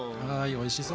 おいしそう！